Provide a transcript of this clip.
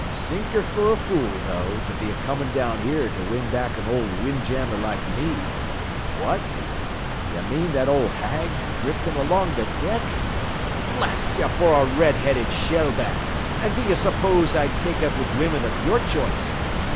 Sink her fer a fool, though, to be a comin' down here to win back an old windjammer like me What? ye mean that old hag driftin' along the deck? Blast you for a red headed shell back, d'ye s'pose I'd take up wid wimmen av your choice?